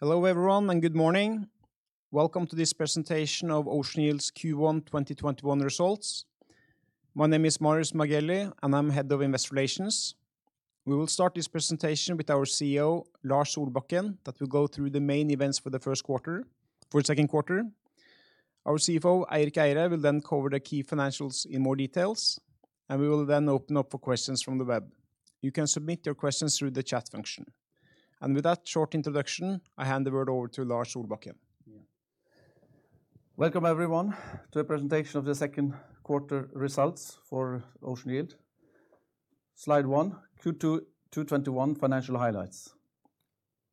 Hello everyone, good morning. Welcome to this presentation of Ocean Yield's Q2 2021 results. My name is Marius Magelie, and I'm Head of Investor Relations. We will start this presentation with our CEO, Lars Solbakken, that will go through the main events for the second quarter. Our CFO, Eirik Eide, will then cover the key financials in more details, and we will then open up for questions from the web. You can submit your questions through the chat function. With that short introduction, I hand the word over to Lars Solbakken. Welcome everyone to the presentation of the second quarter results for Ocean Yield. Slide one, Q2 2021 financial highlights.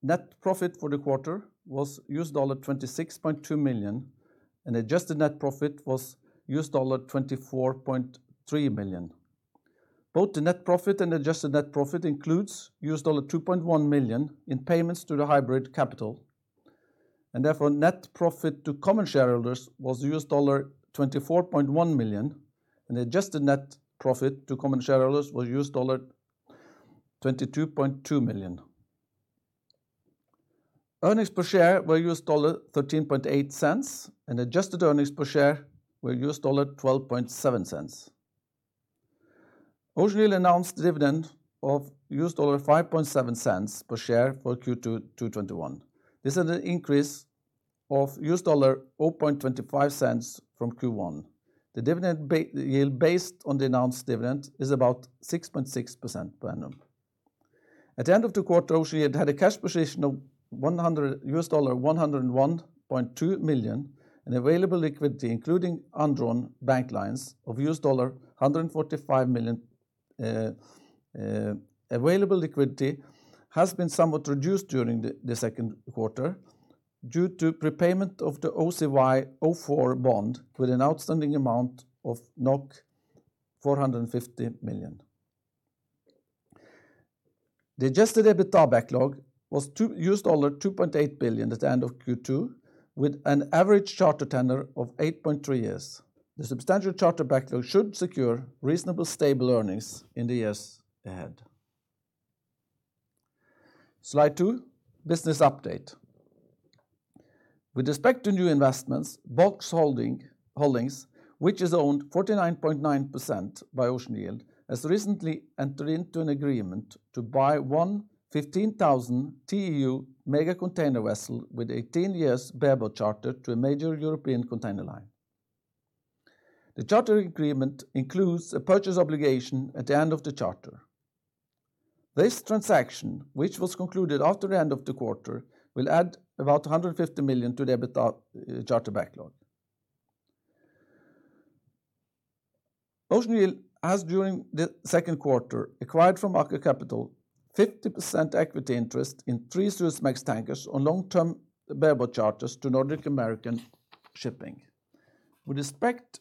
Net profit for the quarter was $26.2 million, and adjusted net profit was $24.3 million. Both the net profit and adjusted net profit includes $2.1 million in payments to the hybrid capital, and therefore, net profit to common shareholders was $24.1 million, and adjusted net profit to common shareholders was $22.2 million. Earnings per share were $0.138, and adjusted earnings per share were $0.127. Ocean Yield announced dividend of $0.057 per share for Q2 2021. This is an increase of $0.0025 from Q1. The dividend yield based on the announced dividend is about 6.6% per annum. At the end of the quarter, Ocean Yield had a cash position of $101.2 million and available liquidity, including undrawn bank lines of $145 million. Available liquidity has been somewhat reduced during the second quarter due to prepayment of the OCY 04 bond with an outstanding amount of 450 million. The adjusted EBITDA backlog was $2.8 billion at the end of Q2, with an average charter tenure of 8.3 years. The substantial charter backlog should secure reasonable stable earnings in the years ahead. Slide two, business update. With respect to new investments, Box Holdings, which is owned 49.9% by Ocean Yield, has recently entered into an agreement to buy one 15,000 TEU mega container vessel with 18 years bareboat charter to a major European container line. The charter agreement includes a purchase obligation at the end of the charter. This transaction, which was concluded after the end of the quarter, will add about $150 million to the EBITDA charter backlog. Ocean Yield has during the second quarter acquired from Aker Capital 50% equity interest in three Suezmax tankers on long-term bareboat charters to Nordic American Tankers. With respect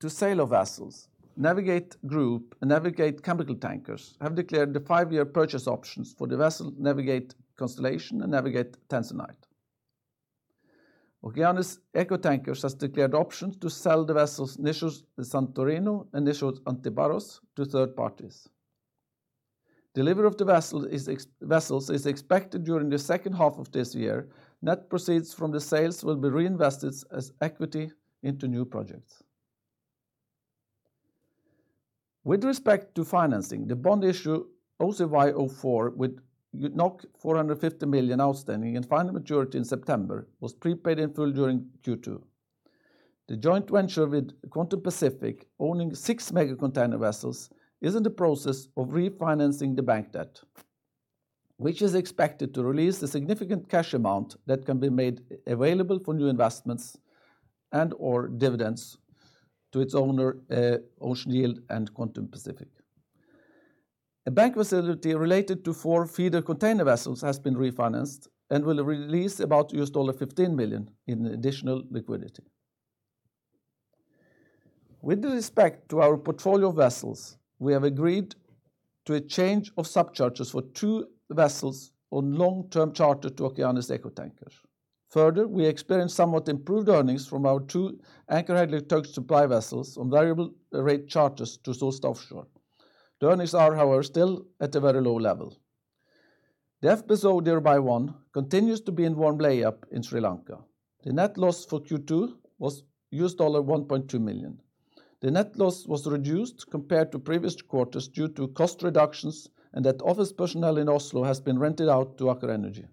to sale of vessels, Navig8 Group and Navig8 Chemical Tankers have declared the 5-year purchase options for the vessel Navig8 Constellation and Navig8 Tanzanite. Okeanis Eco Tankers has declared options to sell the vessels Nissos Santorini and Nissos Antiparos to third parties. Delivery of the vessels is expected during the second half of this year. Net proceeds from the sales will be reinvested as equity into new projects. With respect to financing the bond issue, OCY 04 with 450 million outstanding and final maturity in September was prepaid in full during Q2. The joint venture with Quantum Pacific, owning six mega container vessels, is in the process of refinancing the bank debt, which is expected to release a significant cash amount that can be made available for new investments and/or dividends to its owner, Ocean Yield and Quantum Pacific. A bank facility related to four feeder container vessels has been refinanced and will release about $15 million in additional liquidity. With respect to our portfolio of vessels, we have agreed to a change of subcharters for two vessels on long-term charter to Okeanis Eco Tankers. Further, we experienced somewhat improved earnings from our two anchor handling tug supply vessels on variable rate charters to Solstad Offshore. The earnings are, however, still at a very low level. The FPSO Dhirubhai-1 continues to be in warm lay up in Sri Lanka. The net loss for Q2 was $1.2 million. The net loss was reduced compared to previous quarters due to cost reductions. That office personnel in Oslo has been rented out to Aker Energy.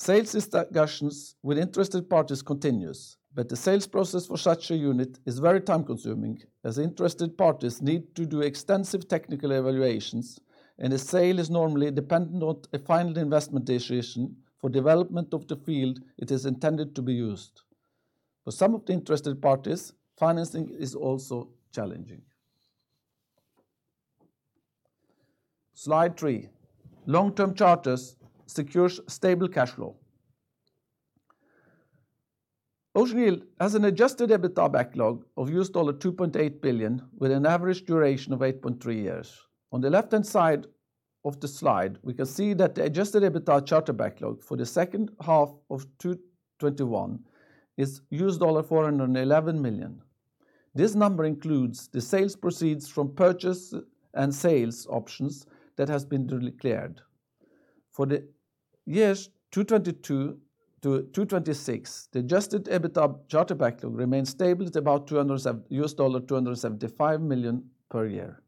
Sales discussions with interested parties continues. The sales process for such a unit is very time-consuming, as interested parties need to do extensive technical evaluations. The sale is normally dependent on a final investment decision for development of the field it is intended to be used. For some of the interested parties, financing is also challenging. Slide three, long-term charters secures stable cash flow. Ocean Yield has an adjusted EBITDA backlog of $2.8 billion with an average duration of 8.3 years. On the left-hand side of the slide, we can see that the adjusted EBITDA charter backlog for the second half of 2021 is $411 million. This number includes the sales proceeds from purchase and sales options that has been declared. For the years 2022 to 2026, the adjusted EBITDA charter backlog remains stable at about $275 million per year.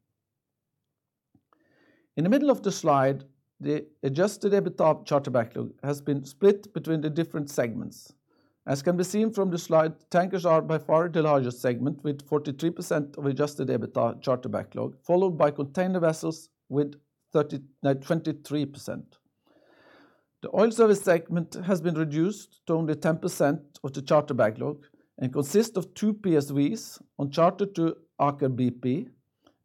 In the middle of the slide, the adjusted EBITDA charter backlog has been split between the different segments. As can be seen from the slide, Tankers are by far the largest segment, with 43% of adjusted EBITDA charter backlog, followed by container vessels with 23%. The Oil Service segment has been reduced to only 10% of the charter backlog and consists of two PSVs on charter to Aker BP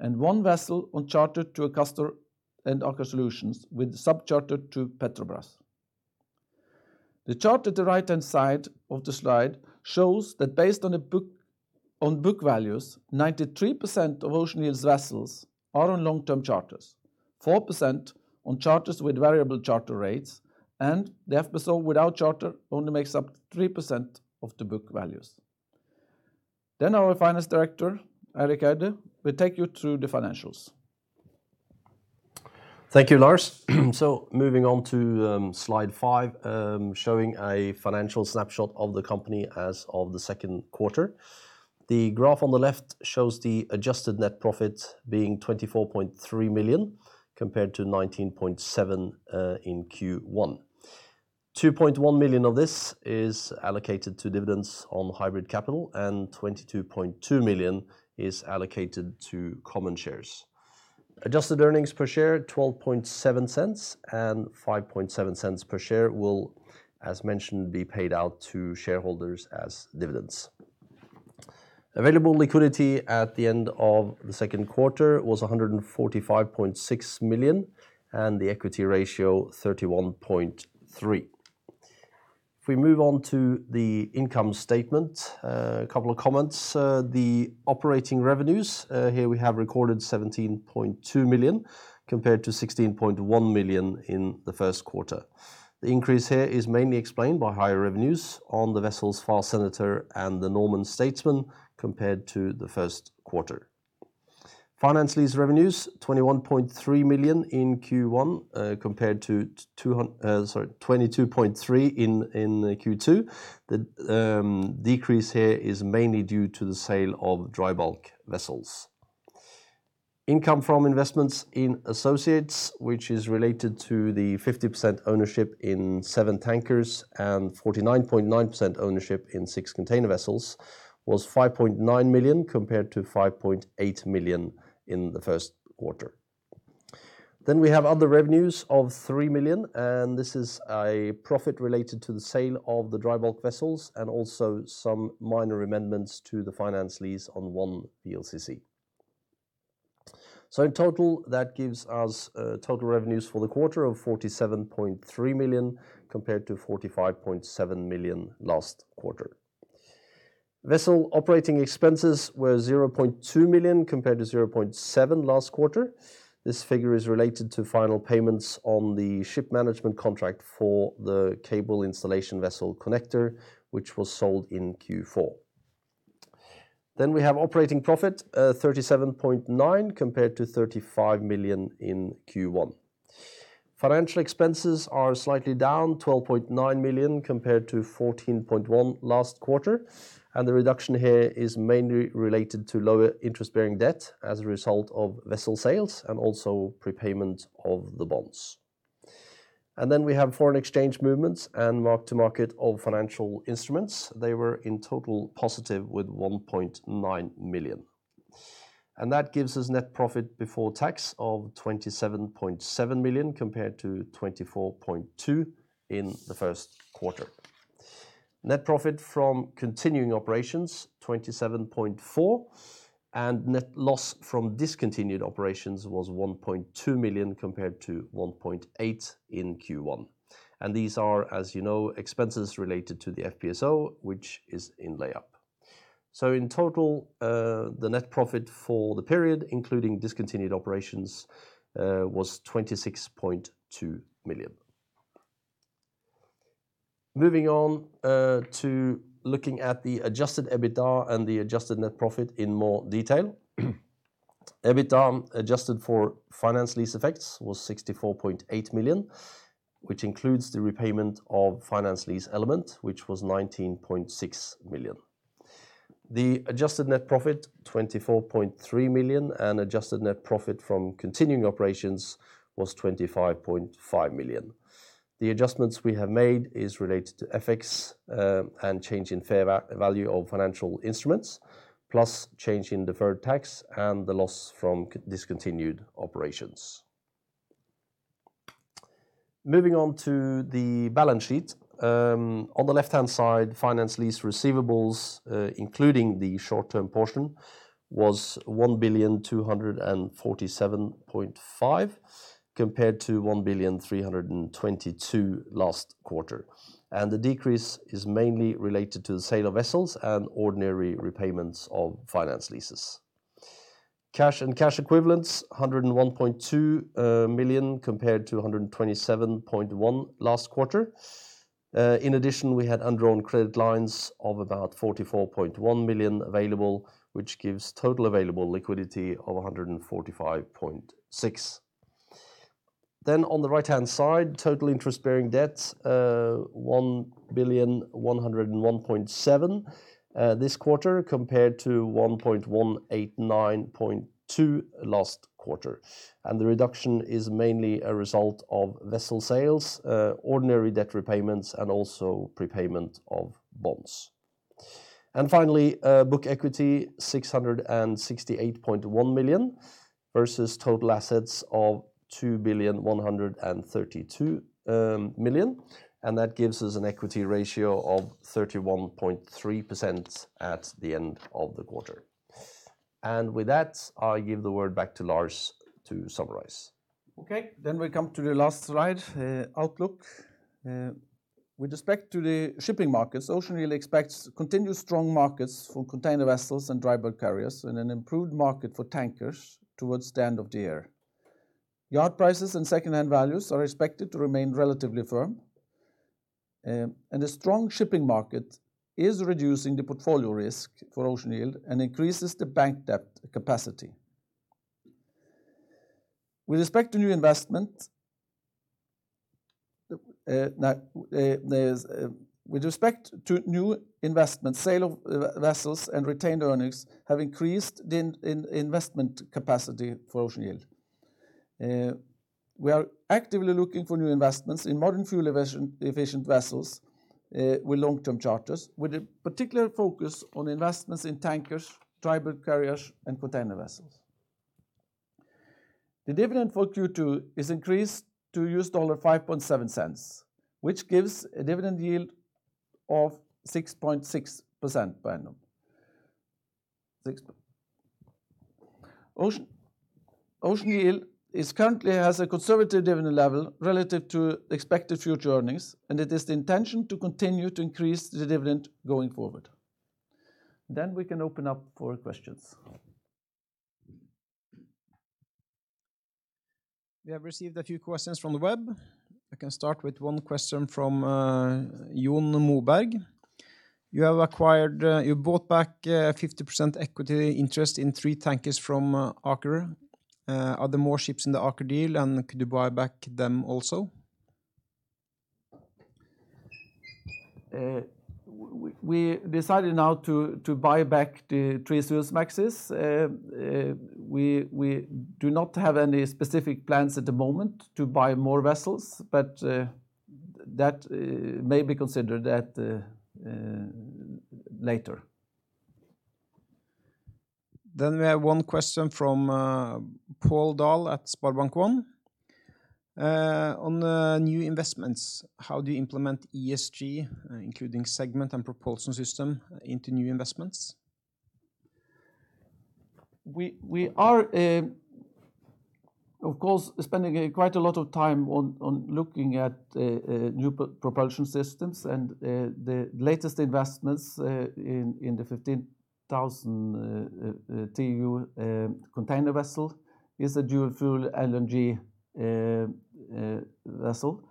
and one vessel on charter to Akastor and Aker Solutions, with sub-charter to Petrobras. The chart at the right-hand side of the slide shows that based on book values, 93% of Ocean Yield vessels are on long-term charters, 4% on charters with variable charter rates, and the FPSO without charter only makes up 3% of the book values. Our Finance Director, Eirik Eide, will take you through the financials. Thank you, Lars. Moving on to slide five, showing a financial snapshot of the company as of the second quarter. The graph on the left shows the adjusted net profit being $24.3 million compared to $19.7 million in Q1. $2.1 million of this is allocated to dividends on hybrid capital and $22.2 million is allocated to common shares. Adjusted earnings per share $0.127 and $0.057 per share will, as mentioned, be paid out to shareholders as dividends. Available liquidity at the end of the second quarter was $145.6 million and the equity ratio 31.3%. If we move on to the income statement, a couple of comments. The operating revenues, here we have recorded $17.2 million compared to $16.1 million in the first quarter. The increase here is mainly explained by higher revenues on the vessels Far Senator and the Normand Statesman compared to the first quarter. Finance lease revenues $21.3 million in Q1 compared to $22.3 million in Q2. The decrease here is mainly due to the sale of dry bulk vessels. Income from investments in associates, which is related to the 50% ownership in seven tankers and 49.9% ownership in six container vessels was $5.9 million compared to $5.8 million in the first quarter. We have other revenues of $3 million, and this is a profit related to the sale of the dry bulk vessels and also some minor amendments to the finance lease on one VLCC. In total, that gives us total revenues for the quarter of $47.3 million compared to $45.7 million last quarter. Vessel operating expenses were $0.2 million compared to $0.7 million last quarter. This figure is related to final payments on the ship management contract for the cable installation vessel Connector, which was sold in Q4. We have operating profit $37.9 million compared to $35 million in Q1. Financial expenses are slightly down, $12.9 million compared to $14.1 million last quarter, and the reduction here is mainly related to lower interest-bearing debt as a result of vessel sales and also prepayment of the bonds. We have foreign exchange movements and mark-to-market of financial instruments. They were in total positive with $1.9 million. That gives us net profit before tax of $27.7 million compared to $24.2 million in the first quarter. Net profit from continuing operations, $27.4 million, and net loss from discontinued operations was $1.2 million compared to $1.8 million in Q1. These are, as you know, expenses related to the FPSO, which is in layup. In total, the net profit for the period including discontinued operations was $26.2 million. Moving on to looking at the adjusted EBITDA and the adjusted net profit in more detail. EBITDA adjusted for finance lease effects was $64.8 million, which includes the repayment of finance lease elements, which was $19.6 million. The adjusted net profit $24.3 million, and adjusted net profit from continuing operations was $25.5 million. The adjustments we have made is related to FX and change in fair value of financial instruments, plus change in deferred tax and the loss from discontinued operations. Moving on to the balance sheet. On the left-hand side, finance lease receivables, including the short-term portion, was $1,247.5 million compared to $1,322 million last quarter, and the decrease is mainly related to the sale of vessels and ordinary repayments of finance leases. Cash and cash equivalents $101.2 million compared to $127.1 last quarter. In addition, we had undrawn credit lines of about $44.1 million available, which gives total available liquidity of $145.6. On the right-hand side, total interest-bearing debt $1,101.7 million this quarter compared to $1.189.2 billion last quarter. The reduction is mainly a result of vessel sales, ordinary debt repayments, and also prepayment of bonds. Finally, book equity $668.1 million versus total assets of $2.132 billion. That gives us an equity ratio of 31.3% at the end of the quarter. With that, I give the word back to Lars to summarize. Okay, we come to the last slide, outlook. With respect to the shipping market, Ocean Yield expects continued strong markets for container vessels and dry bulk carriers and an improved market for tankers towards the end of the year. Yard prices and secondhand values are expected to remain relatively firm. A strong shipping market is reducing the portfolio risk for Ocean Yield and increases the bank debt capacity. With respect to new investments, sale of vessels and retained earnings have increased the investment capacity for Ocean Yield. We are actively looking for new investments in modern fuel-efficient vessels with long-term charters, with a particular focus on investments in tankers, dry bulk carriers, and container vessels. The dividend for Q2 is increased to $0.057, which gives a dividend yield of 6.6% annual. Ocean Yield is currently has a conservative dividend level relative to expected future earnings, and it is the intention to continue to increase the dividend going forward. We can open up for questions. We have received a few questions from the web. I can start with one question from Jon Moberg. You bought back 50% equity interest in three tankers from Aker. Are there more ships in the Aker deal, and could you buy back them also? We decided now to buy back the three Suezmaxes. We do not have any specific plans at the moment to buy more vessels. That may be considered later. We have one question from Pål Dahl at SpareBank 1. On new investments, how do you implement ESG, including segment and propulsion system into new investments? We are of course spending quite a lot of time on looking at new propulsion systems and the latest investments in the 15,000 TEU container vessel is a dual fuel LNG vessel.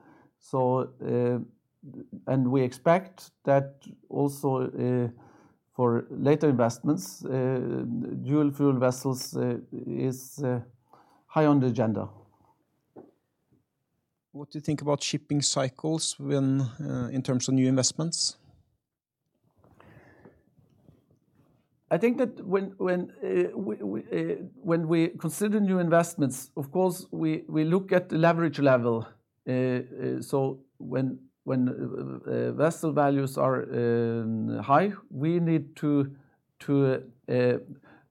We expect that also for later investments, dual fuel vessels is high on the agenda. What do you think about shipping cycles in terms of new investments? I think that when we consider new investments, of course, we look at the leverage level. When vessel values are high, we need to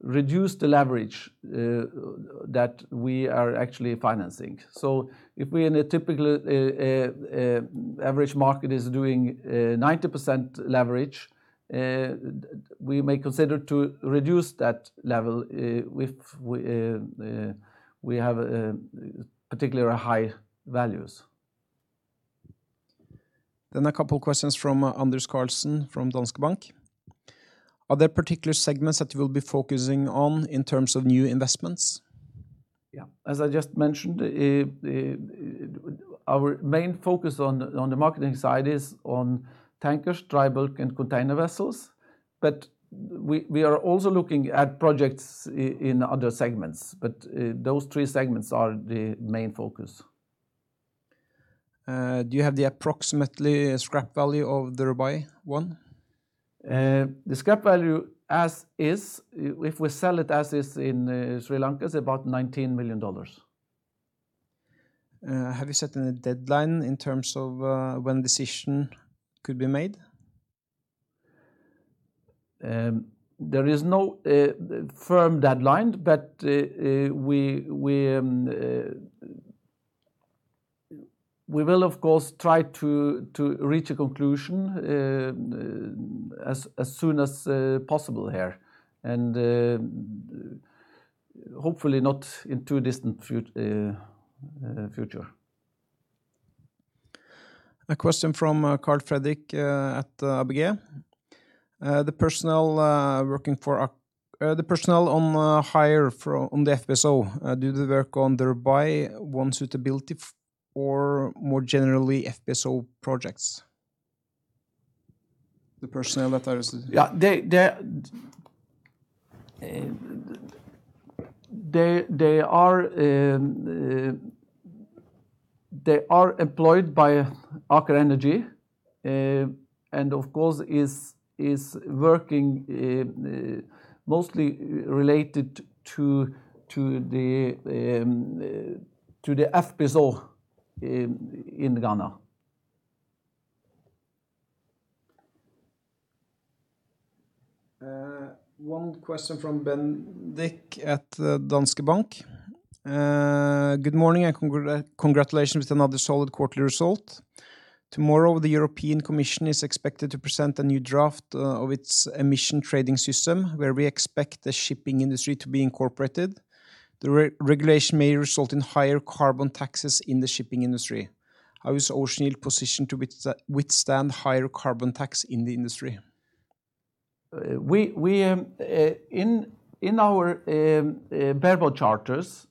reduce the leverage that we are actually financing. If we in a typical average market is doing 90% leverage, we may consider to reduce that level if we have particular high values. A couple questions from Anders Karlsen from Danske Bank. Are there particular segments that you will be focusing on in terms of new investments? Yeah. As I just mentioned, our main focus on the marketing side is on tankers, dry bulk, and container vessels. We are also looking at projects in other segments. Those three segments are the main focus. Do you have the approximately scrap value of the Dhirubhai-1? The scrap value as is, if we sell it as is in Sri Lanka, is about $19 million. Have you set any deadline in terms of when decision could be made? There is no firm deadline, but we will of course try to reach a conclusion as soon as possible here and hopefully not in too distant future. A question from Carl Fredrik at ABG. The personnel on hire on the FPSO, do they work under buy one suitability or more generally FPSO projects? Yeah. They are employed by Aker Energy, and of course, is working mostly related to the FPSO in Ghana. One question from Bendik at Danske Bank. Good morning, and congratulations with another solid quarterly result. Tomorrow, the European Commission is expected to present a new draft of its Emissions Trading System, where we expect the shipping industry to be incorporated. The regulation may result in higher carbon taxes in the shipping industry. How is Ocean Yield positioned to withstand higher carbon tax in the industry? In our bareboat charters,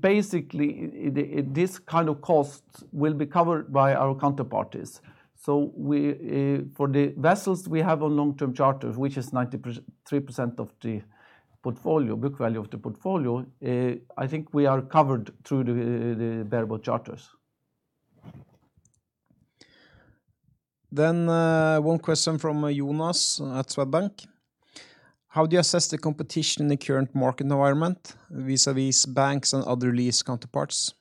basically, this kind of cost will be covered by our counterparties. For the vessels we have on long-term charters, which is 93% of the book value of the portfolio, I think we are covered through the bareboat charters. One question from Jonas at Swedbank. How do you assess the competition in the current market environment vis-a-vis banks and other lease counterparts?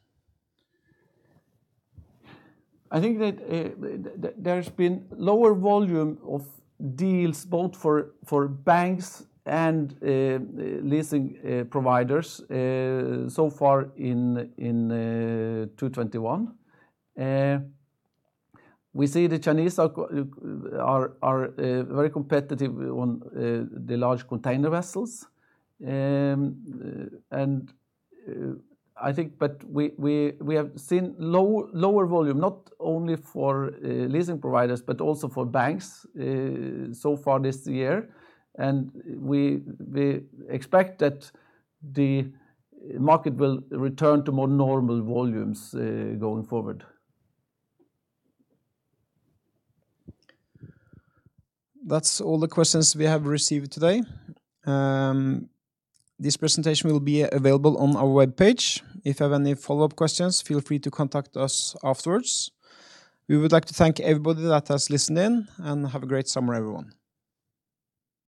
I think that there's been lower volume of deals both for banks and leasing providers so far in 2021. We see the Chinese are very competitive on the large container vessels. We have seen lower volume, not only for leasing providers, but also for banks so far this year. We expect that the market will return to more normal volumes going forward. That's all the questions we have received today. This presentation will be available on our webpage. If you have any follow-up questions, feel free to contact us afterwards. We would like to thank everybody that has listened in, and have a great summer, everyone.